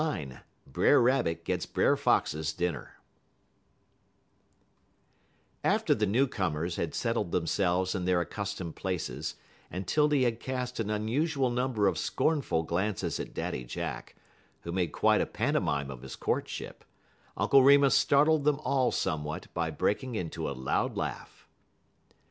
LIX BRER RABBIT GETS BRER FOX'S DINNER After the new comers had settled themselves in their accustomed places, and 'Tildy had cast an unusual number of scornful glances at Daddy Jack, who made quite a pantomime of his courtship, Uncle Remus startled them all somewhat by breaking into a loud laugh.